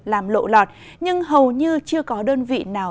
làm lộ lọt nhưng hầu như chưa có đơn vị nào